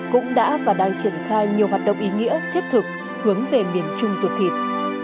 cũng đã và đang triển khai nhiều hoạt động ý nghĩa thiết thực hướng về miền trung ruột thịt